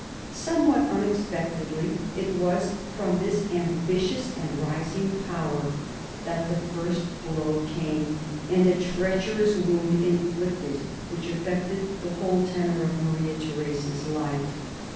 Somewhat unexpectedly, it was from this ambitious and rising Power that the first blow came, and a treacherous wound inflicted which affected the whole tenor of Maria Theresa's life.